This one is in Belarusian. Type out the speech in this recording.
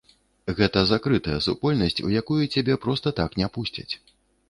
Гэта закрытая супольнасць, у якую цябе проста так не пусцяць.